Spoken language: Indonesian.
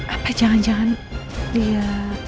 apa jangan jangan dia